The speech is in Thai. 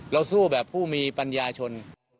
สู้แบบผู้มีปัญญาชน